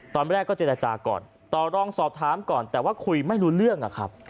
ตอนแรกก็เจรจาก่อนต่อรองสอบถามก่อนแต่ว่าคุยไม่รู้เรื่องอะครับ